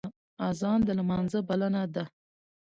اذان د لمانځه بلنه ده